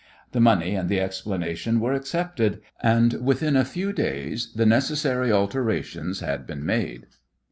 The money and the explanation were accepted, and within a few days the necessary alterations had been made.